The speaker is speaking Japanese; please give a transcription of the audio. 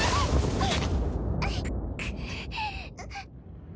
あっ。